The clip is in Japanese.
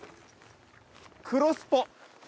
クロスポ。